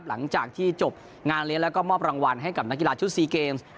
หลังจากที่จบงานเลี้ยงแล้วก็มอบรางวัลให้กับนักกีฬาชุด๔เกม